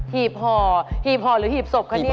หีบห่อหีบห่อหรือหีบศพคะเนี่ย